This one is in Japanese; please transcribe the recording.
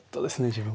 自分。